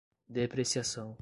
depreciação